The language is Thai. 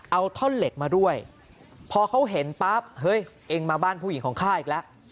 เอาท่อนเหล็กมาด้วยพอเขาเห็นปั๊บเฮ้ยเองมาบ้านผู้หญิงของข้าอีกแล้ว